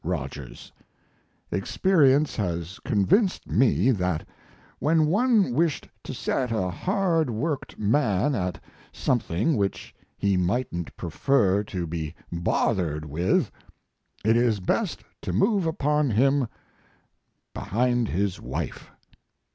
ROGERS, Experience has convinced me that when one wished to set a hard worked man at something which he mightn't prefer to be bothered with it is best to move upon him behind his wife.